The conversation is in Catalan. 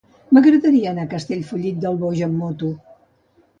M'agradaria anar a Castellfollit del Boix amb moto.